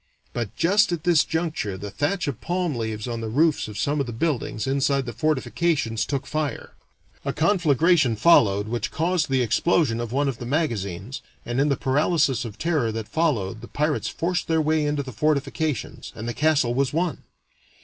But just at this juncture the thatch of palm leaves on the roofs of some of the buildings inside the fortifications took fire, a conflagration followed, which caused the explosion of one of the magazines, and in the paralysis of terror that followed, the pirates forced their way into the fortifications, and the castle was won.